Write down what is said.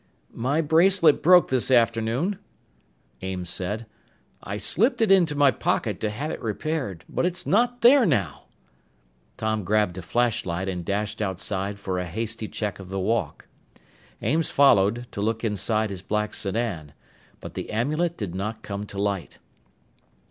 "My bracelet broke this afternoon," Ames said. "I slipped it into my pocket to have it repaired. But it's not there now!" Tom grabbed a flashlight and dashed outside for a hasty check of the walk. Ames followed, to look inside his black sedan. But the amulet did not come to light.